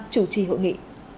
chủ trì hội nghị